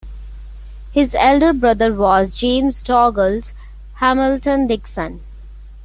His elder brother was James Douglas Hamilton Dickson.